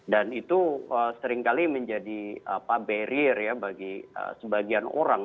dan itu seringkali menjadi barrier ya bagi sebagian orang